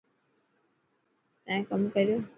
تين ڪم ڪريو.